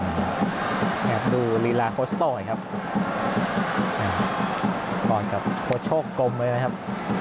นี่ครับคือลีลาครอสโต้ไอ้ครับอ่าก่อนครับโคตรโชคกลมเลยนะครับ